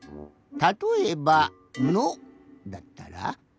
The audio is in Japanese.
たとえば「の」だったら。